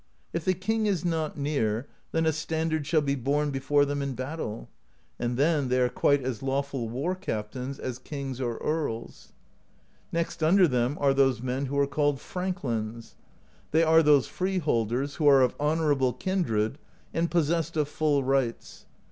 If the king is not near, then a standard shall be borne before them in battle; and then they are quite as lawful war captains as kings or earls. "Next under them are those men who are called frank lins : they are those freeholders who are of honorable kin dred, and possessed of full rights.